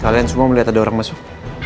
kalian semua melihat ada orang masuk